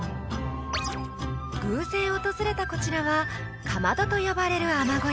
偶然訪れたこちらは「かまど」と呼ばれる海女小屋。